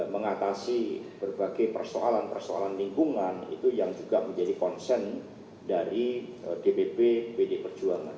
mengatasi berbagai persoalan persoalan lingkungan itu yang juga menjadi concern dari dpp pd perjuangan